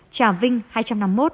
trà vinh hai trăm năm mươi một